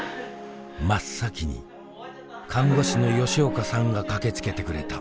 真っ先に看護師の吉岡さんが駆けつけてくれた。